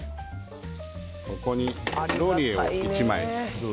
ここにローリエを１枚。